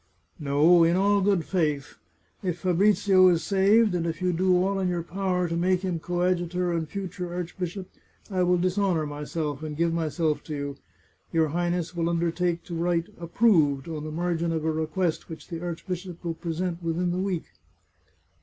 " No, in all good faith. If Fabrizio is saved, and if you do all in your power to make him coadjutor and future arch bishop, I will dishonour myself, and give myself to you. Your Highness will undertake to write ' approved ' on the margin of a request which the archbishop will present within the week